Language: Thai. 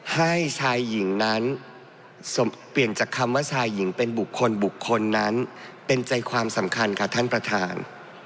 ให้ชายหญิงนั้นเปลี่ยนจากคำว่าชายหญิงเป็นบุคคลบุคคลนั้นเป็นใจความสำคัญค่ะท่านประธาน